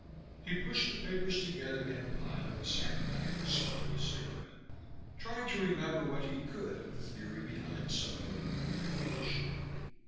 He pushed the papers together in a pile and sat back, smoking a cigarette, trying to remember what he could of the theory behind submillimeter radiation.